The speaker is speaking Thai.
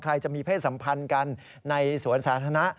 จะมีเพศสัมพันธ์กันในสวนสาธารณะ